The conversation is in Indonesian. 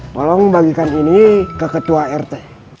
tolong bagikan ini ke ketua rt